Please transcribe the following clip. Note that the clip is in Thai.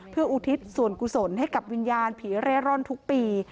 เพื่ออุทิศส่วนกุศลให้กับวิญญาณผีเร่ร่อนทุกปี